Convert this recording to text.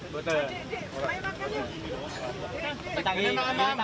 di tempat yang asli di jemaah